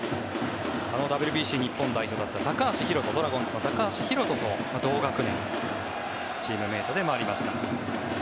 あのＷＢＣ日本代表だったドラゴンズの高橋宏斗と同学年チームメートでもありました。